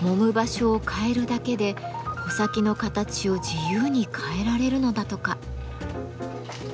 もむ場所を変えるだけで穂先の形を自由に変えられるのだとか。